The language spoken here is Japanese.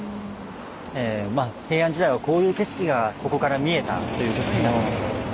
まあ平安時代はこういう景色がここから見えたということになります。